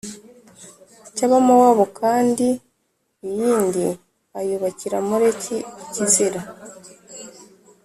cy Abamowabu kandi iyindi ayubakira Moleki ikizira